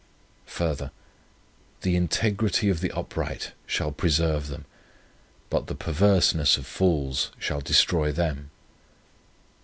Further: 'The integrity of the upright shall preserve them; but the perverseness of fools shall destroy them.'